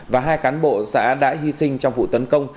và hai cán bộ xã đã hy sinh trong vụ tấn công